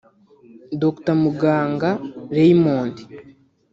Dr Muganga Raymond